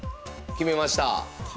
決めました。